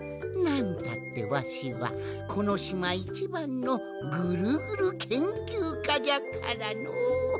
なんたってわしはこのしまいちばんの「ぐるぐるけんきゅうか」じゃからのう。